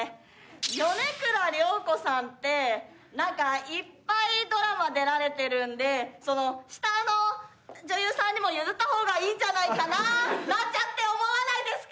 米倉涼子さんってなんかいっぱいドラマ出られてるんで下の女優さんにも譲った方がいいんじゃないかななんちゃって思わないですか？